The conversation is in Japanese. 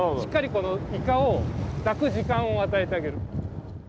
このイカを抱く時間をあたえてあげる。